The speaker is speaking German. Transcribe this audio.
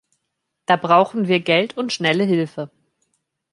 Da brauchen wir Geld und schnelle Hilfe.